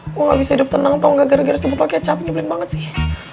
gue gak bisa hidup tenang tau gak gara gara sebotol kecap nyebelin banget sih